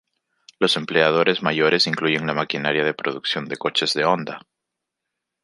Los empleadores mayores incluyen la maquinaria de producción de coches de Honda.